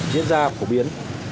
diễn ra phổ biến